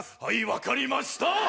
はい分かりました！